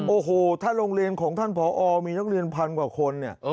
โอ้โหถ้าโรงเรียนของท่านพอมีนักเรียนพันกว่าคนเนี่ย